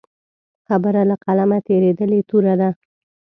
خبره له قلمه تېرېدلې توره ده.